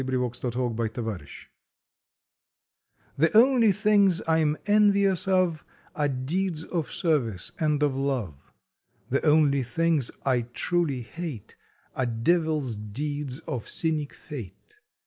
October Twenty sixth A REFLECTION HPHE only things I m envious of Are deeds of Service and of Love. The only things I truly hate Are devil s deeds of cynic fate.